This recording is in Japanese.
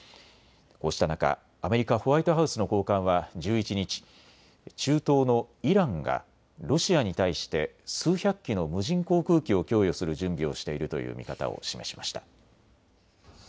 こうした中、アメリカ・ホワイトハウスの高官は１１日、中東のイランがロシアに対して数百機の無人航空機を供与する準備をしているという見方を示しました。